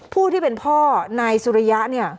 ผู้ที่เป็นพ่อนายสุริยะเนี่ย